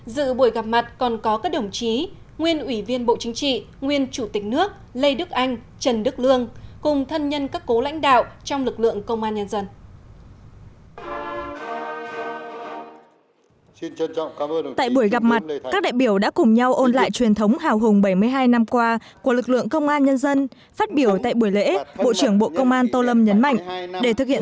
dự buổi gặp mặt còn có các đồng chí nguyên ủy viên bộ chính trị nguyên chủ tịch nước lê đức anh trần đức lương cùng thân nhân các cố lãnh đạo trong lực lượng công an nhân dân